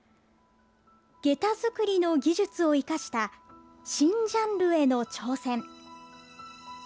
げた作りの技術を生かした新ジャンルへの挑戦。